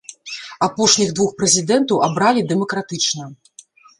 Апошніх двух прэзідэнтаў абралі дэмакратычна.